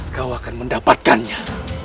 kau akan mendapatkannya